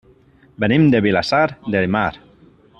Venim de Vilassar de Mar.